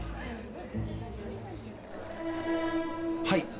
はい。